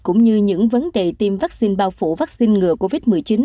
cũng như những vấn đề tiêm vaccine bao phủ vaccine ngừa covid một mươi chín